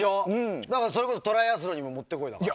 それこそトライアスロンにももってこいだから。